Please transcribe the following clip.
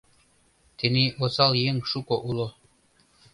Тений осал еҥ шуко уло.